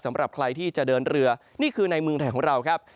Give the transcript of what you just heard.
สำหรับใครที่จะเดินเรือนี่คือในเมืองไทยของเราครับ